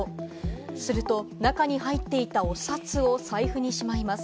すると中に入っていたお札を財布にしまいます。